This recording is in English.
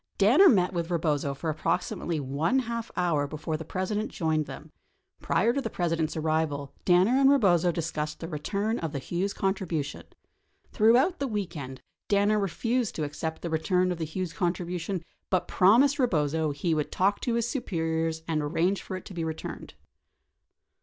Danner met with Eebozo for approximately one half hour before the President joined them. Prior to the President's arrival, Danner and Eebozo discussed the return of the Hughes contribu tion. Throughout the weekend, Danner refused to accept the return of the Hughes contribution but promised Eebozo he would talk to his superiors and arrange for it to be returned.